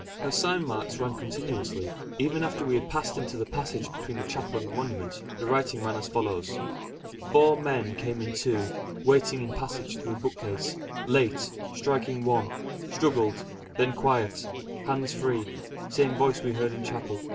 Her sign marks ran continuously, even after we had passed into the passage between the chapel and the monument; the writing ran as follows: "Four men came in two waiting in passage through bookcase late striking one struggled then quiet hands free same voice we heard in Chapel.